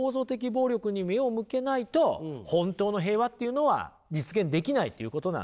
暴力に目を向けないと本当の平和っていうのは実現できないということなんですよ。